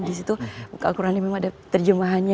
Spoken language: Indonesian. di situ buka quran memang ada terjemahannya